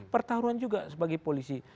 pertaruhan juga sebagai polisi